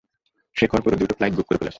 শেখর পুরো দুইটি flight book করে ফেলেছে।